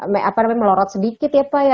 melorot sedikit ya pak ya